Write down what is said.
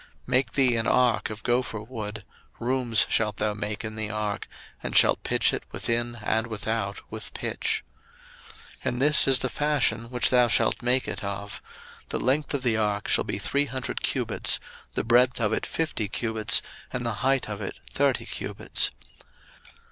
01:006:014 Make thee an ark of gopher wood; rooms shalt thou make in the ark, and shalt pitch it within and without with pitch. 01:006:015 And this is the fashion which thou shalt make it of: The length of the ark shall be three hundred cubits, the breadth of it fifty cubits, and the height of it thirty cubits.